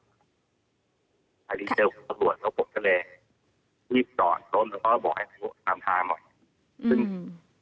ทีนี้เจอตรวจแล้วพวกเขาเลยยิบดอดต้มและก็บอกน้ำทางหมด